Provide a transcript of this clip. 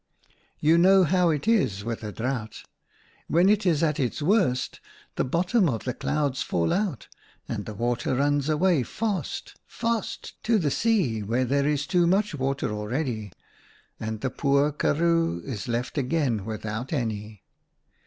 You know how it is with a drought ; when it is at its worst, the bottom of the clouds falls out, and the water runs away fast, fast, to the sea, where there is too much water already, and the poor karroo is left again without any.